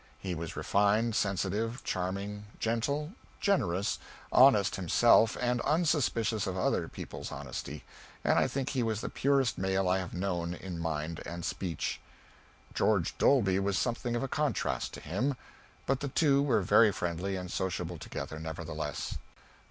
He was refined, sensitive, charming, gentle, generous, honest himself and unsuspicious of other people's honesty, and I think he was the purest male I have known, in mind and speech. George Dolby was something of a contrast to him, but the two were very friendly and sociable together, nevertheless.